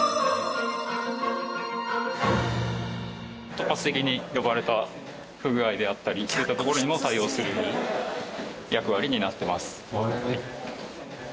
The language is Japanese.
突発的に呼ばれた不具合であったりそういったところにも対応する役割になっています。